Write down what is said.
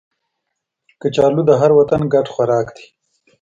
کچالو د هر وطن ګډ خوراک دی